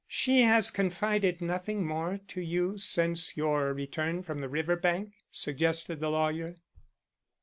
"She has confided nothing more to you since your return from the river bank?" suggested the lawyer.